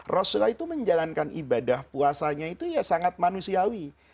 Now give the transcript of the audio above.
rasulullah itu menjalankan ibadah puasanya itu ya sangat manusiawi